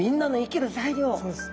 そうです。